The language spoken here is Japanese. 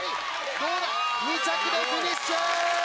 どうだ２着でフィニッシュ！